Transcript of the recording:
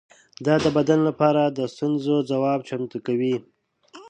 دا د بدن لپاره د ستونزو ځواب چمتو کوي.